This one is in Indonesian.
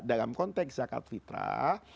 dalam konteks zakat fitrah